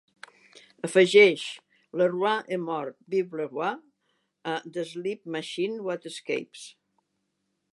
Afegeix Le Roi Est Mort Vive Le Roi a The Sleep Machine Waterscapes